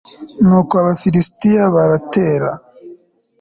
nuko abafilisiti baratera